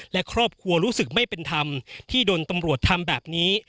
และครอบครัวรู้สึกไม่เป็นธรรมที่โดนตำรวจทำแบบนี้